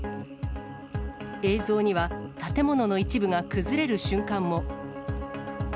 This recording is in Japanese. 映像には、建物の一部が崩れる瞬間も。